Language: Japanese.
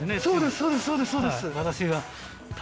そうですそうです。